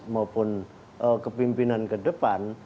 maupun kepimpinan kedepan